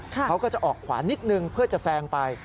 เขาก็จะออกขวานิดนึงเพื่อจะแซงไป